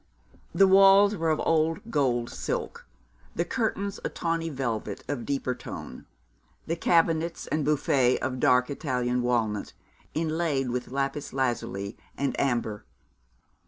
The walls were old gold silk, the curtains a tawny velvet of deeper tone, the cabinets and buffet of dark Italian walnut, inlaid with lapis lazuli and amber.